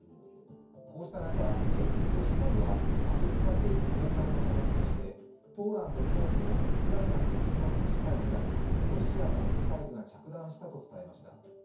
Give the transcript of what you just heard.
こうした中、ＡＰ通信などはアメリカ政府高官の話として、ポーランド東部のウクライナ国境に近い村にロシアのミサイルが着弾したと伝えました。